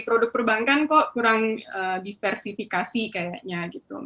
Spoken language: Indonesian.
produk perbankan kok kurang diversifikasi kayaknya gitu